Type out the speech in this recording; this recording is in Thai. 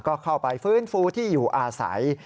ก็เข้าไปฟื้นฟูที่อยู่อาศัย